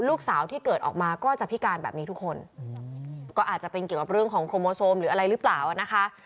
ลูกสาวที่เกิดออกมาก็จะพิการแบบนี้ทุกคนก็อาจจะเป็นเกี่ยวกับเรื่องของโครโมโซมหรืออะไรหรือเปล่านะคะ